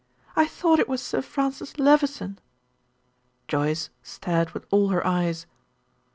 I thought it was Sir Francis Levison." Joyce stared with all her eyes.